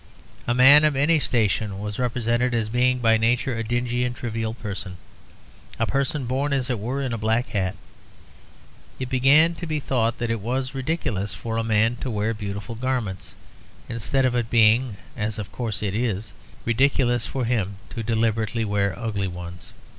A man of any station was represented as being by nature a dingy and trivial person a person born, as it were, in a black hat. It began to be thought that it was ridiculous for a man to wear beautiful garments, instead of it being as, of course, it is ridiculous for him to deliberately wear ugly ones.